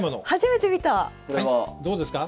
はいどうですか？